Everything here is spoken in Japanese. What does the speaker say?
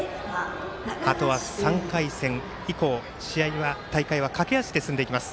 あとは３回戦以降試合は、大会は駆け足で進んでいます。